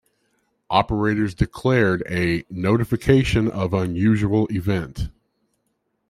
Operators declared a "notification of unusual event".